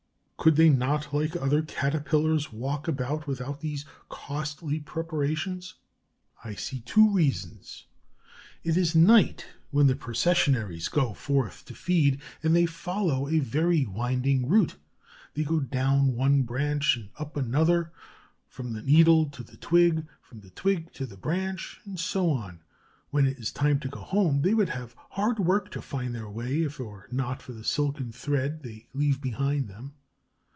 Could they not, like other Caterpillars, walk about without these costly preparations? I see two reasons. It is night when the Processionaries go forth to feed, and they follow a very winding route. They go down one branch, up another, from the needle to the twig, from the twig to the branch, and so on. When it is time to go home, they would have hard work to find their way if it were not for the silken thread they leave behind them.